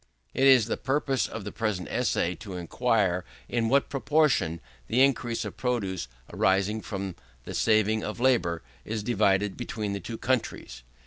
It is the purpose of the present essay to inquire, in what proportion the increase of produce, arising from the saving of labour, is divided between the two countries.